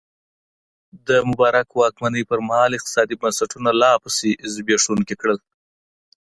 د مبارک واکمنۍ پرمهال اقتصادي بنسټونه لا پسې زبېښونکي کړل.